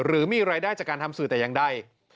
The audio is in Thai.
หรือมีรายได้จากการทำสื่อแต่อย่างใด